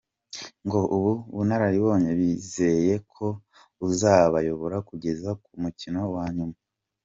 Ngo ubu bunararibonye bizeye ko buzabayobora kugera ku mukino wa nyuma.